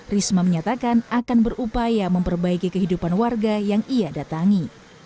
risma menyatakan akan berupaya memperbaiki kehidupan warga yang ia datangi